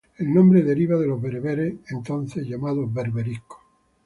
El nombre deriva de los bereberes, entonces llamados berberiscos.